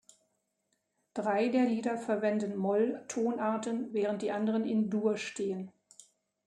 Drei der Lieder verwenden Molltonarten, während die anderen in Dur stehen.